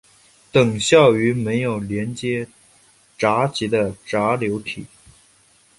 等效于没有连接闸极的闸流体。